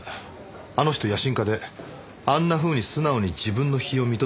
あの人野心家であんなふうに素直に自分の非を認めるタイプじゃないのに。